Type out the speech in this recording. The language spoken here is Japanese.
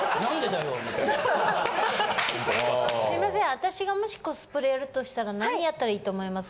すいません私がもしコスプレやるとしたら何やったらいいと思います？